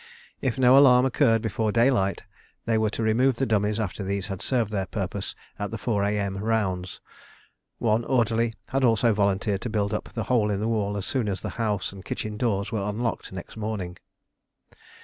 If no alarm occurred before daylight, they were to remove the dummies after these had served their purpose at the 4 A.M. "rounds." One orderly had also volunteered to build up the hole in the wall as soon as the house and kitchen doors were unlocked next morning.